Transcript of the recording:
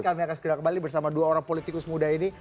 kami akan segera kembali bersama dua orang politikus muda ini